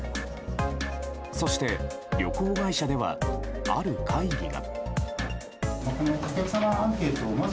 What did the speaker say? そして、旅行会社ではある会議が。